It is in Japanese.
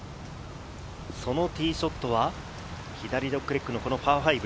そのティーショットは、左ドッグレッグのパー５。